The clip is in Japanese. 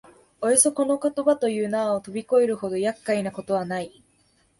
およそこの言葉という縄をとび越えるほど厄介なことはない